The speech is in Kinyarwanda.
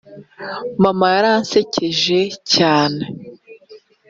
mama yaransekeje cyane